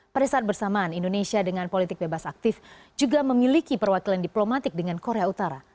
pada saat bersamaan indonesia dengan politik bebas aktif juga memiliki perwakilan diplomatik dengan korea utara